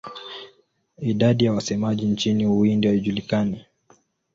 Idadi ya wasemaji nchini Uhindi haijulikani.